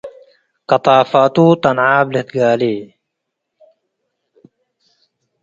ቀጣፋቱ ጠንዓብ ልትጋሌ